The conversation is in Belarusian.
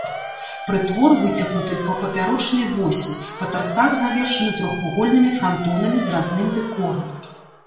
Прытвор выцягнуты па папярочнай восі, па тарцах завершаны трохвугольнымі франтонамі з разным дэкорам.